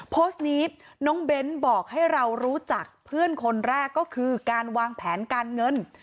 โพสต์นี้น้องเบ้นบอกให้เรารู้จักเพื่อนคนแรกก็คือการวางแผนการเงิน